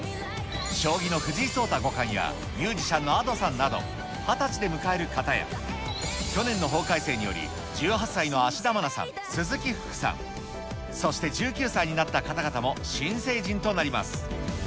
将棋の藤井聡太五冠や、ミュージシャンのＡｄｏさんなど、２０歳で迎える方や、去年の法改正により、１８歳の芦田愛菜さん、鈴木福さん、そして、１９歳になった方々も新成人となります。